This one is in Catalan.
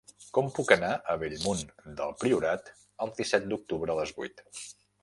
Com puc anar a Bellmunt del Priorat el disset d'octubre a les vuit?